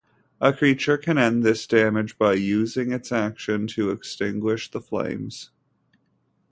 A creature can end this damage by using its action to extinguish the flames.